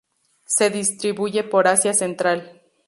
Se distribuye por Asia central.